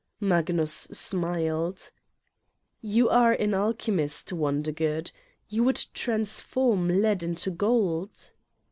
Magnus smiled: "You are an alchemist, Wondergood: you would transform lead into gold!"